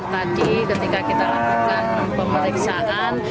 tadi ketika kita lakukan pemeriksaan